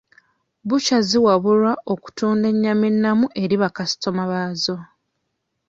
Bbukya ziwabulwa okutunda ennyama ennamu eri ba kaasitoma baazo.